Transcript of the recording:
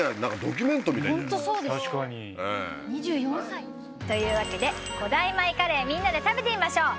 ２４歳。というわけで古代米カレーみんなで食べてみましょう。